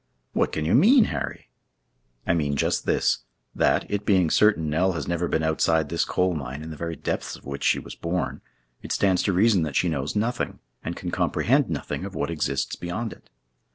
"What can you mean, Harry?" "I mean just this—that, it being certain Nell has never been outside this coal mine in the very depths of which she was born, it stands to reason that she knows nothing, and can comprehend nothing of what exists beyond it.